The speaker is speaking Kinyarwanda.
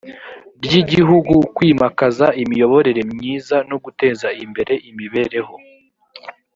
ry igihugu kwimakaza imiyoborere myiza no guteza imbere imibereho